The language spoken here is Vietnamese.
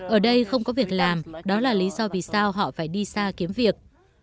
ở đây không có việc làm đó là lý do vì sao họ phải đi xa kiếm việc